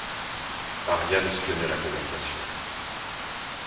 Ariane espionnait la conversation.